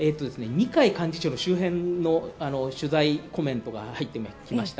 二階幹事長の周辺の取材コメントが入ってきました。